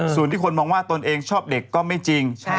ส่วนที่คนมองว่าตนเองชอบเด็กก็ไม่จริง